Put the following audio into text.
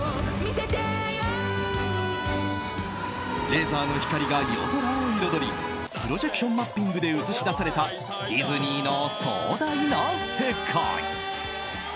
レーザーの光が夜空を彩りプロジェクションマッピングで映し出されたディズニーの壮大な世界。